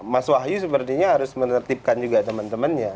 mas wahyu sepertinya harus menertibkan juga temen temennya